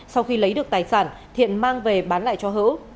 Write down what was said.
sau khi lấy được tài sản thiện mang về bán lại cho hữu